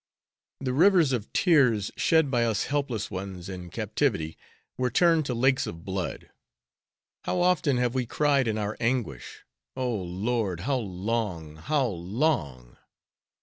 The rivers of tears shed by us helpless ones, in captivity, were turned to lakes of blood! How often have we cried in our anguish, "Oh! Lord, how long, how long?"